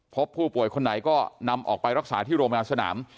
พบผู้ป่วยคนไหนก็นำออกไปรักษาที่โรงพยาบาลสนาม